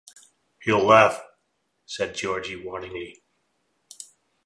"He'll laugh," said Georgie warningly.